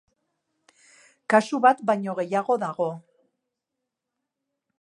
Kasu bat baino gehiago dago.